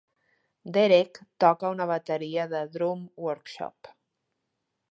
Derek toca una bateria de Drum Workshop.